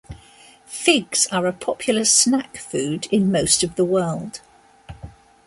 Figs are a popular snack food in most of the world.